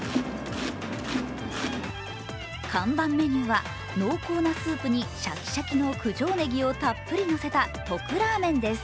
看板メニューは濃厚なスープにシャキシャキの九条ねぎをたっぷりのせた得ラーメンです。